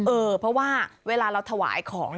เออเพราะว่าเวลาเราถวายของ